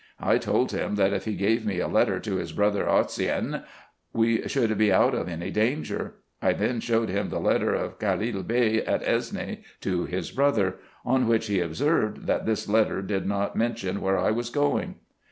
I told him, that if he gave me a letter to his brother Osseyn, we should be out of any danger. I then showed him the letter of Callil Bey at Esne to his brother : on which he observed, that this letter did not mention where I was going.